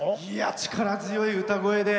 力強い歌声で。